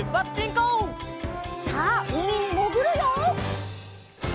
さあうみにもぐるよ！